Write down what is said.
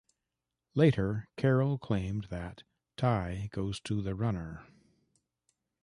Later, Carroll claimed that, Tie goes to the runner.